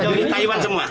di taiwan semua